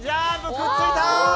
くっついた！